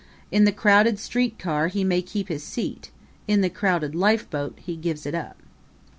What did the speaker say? In the crowded street car he may keep his seat; in the crowded lifeboat he gives it up.